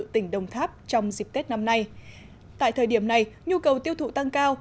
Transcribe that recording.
tỉnh đồng tháp trong dịp tết năm nay tại thời điểm này nhu cầu tiêu thụ tăng cao